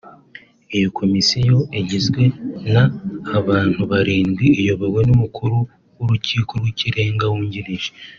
Iyo komisiyo igizwe na’abantu barindwi iyobowe n’umukuru w’urukiko rw’ikirenga wungirije